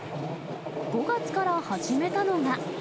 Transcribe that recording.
５月から始めたのが。